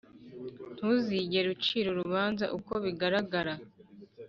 ntuzigere ucira urubanza uko bigaragara